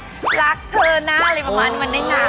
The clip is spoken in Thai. รักเธอนะอะไรประมาณนี้มันได้ไง